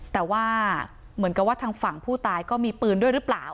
แต่ว่าเหมือนกับว่าทางฝั่งผู้ตายก็มีปืนด้วยหรือเปล่า